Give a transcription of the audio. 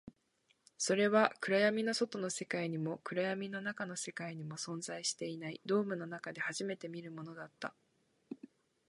それは暗闇の外の世界にも、暗闇の中の世界にも存在していない、ドームの中で初めて見るものだった